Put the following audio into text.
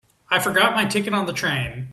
I forgot my ticket on the train.